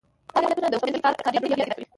دا فعالیتونه د ولس په منځ کې کاري روحیه پیدا کوي.